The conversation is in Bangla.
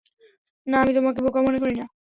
না, আমি তোমাকে বোকা মনে করি না।